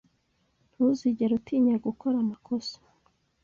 Ntuzigere utinya gukora amakosa.